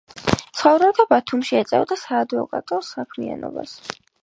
ცხოვრობდა ბათუმში, ეწეოდა საადვოკატო საქმიანობას.